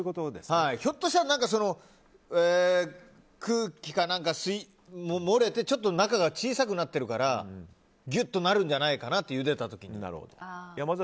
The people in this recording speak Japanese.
ひょっとしたら空気か何かが漏れてちょっと中が小さくなってるからギュッとなるんじゃないかなとゆでた時に。